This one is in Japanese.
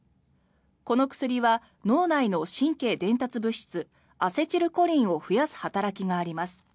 この薬は脳内の神経伝達物質アセチルコリンを増やす働きがあります。